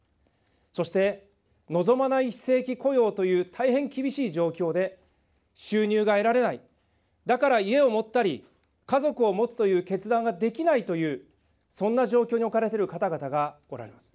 そして、望まない非正規雇用という、大変厳しい状況で、収入が得られない、だから家を持ったり、家族を持つという決断ができないという、そんな状況に置かれている方々がおられます。